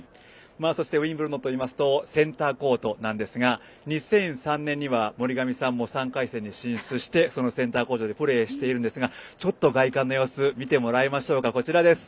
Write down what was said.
そしてウィンブルドンといいますとセンターコートなんですが２００３年には森上さんも３回戦に進出してそのセンターコートでプレーしているんですが概観の様子見てもらいましょうか。